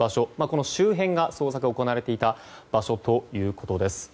この周辺が、捜索が行われていた場所ということです。